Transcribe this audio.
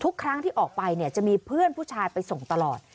ทุกครั้งที่ออกไปเนี่ยจะมีเพื่อนผู้ชายไปส่งตลอด